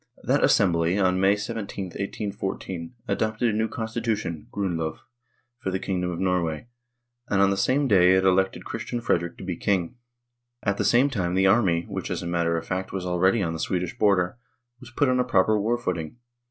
That assembly on May 17, 1814, adopted a new constitution (Grundlov) for the kingdom of Norway, and on the same day it elected Christian Frederick to be king. At the same time the army, which, as a matter of fact, was already on the Swedish border, was put on a proper war footing.